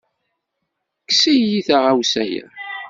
Kkes-iyi taɣawsa-ya!